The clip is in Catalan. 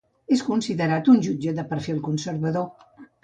És considerat un jutge de perfil conservador.